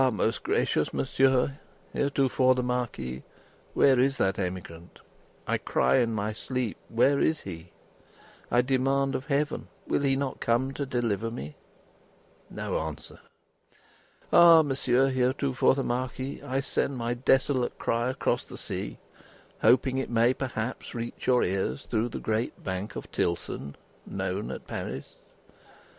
most gracious Monsieur heretofore the Marquis, where is that emigrant? I cry in my sleep where is he? I demand of Heaven, will he not come to deliver me? No answer. Ah Monsieur heretofore the Marquis, I send my desolate cry across the sea, hoping it may perhaps reach your ears through the great bank of Tilson known at Paris!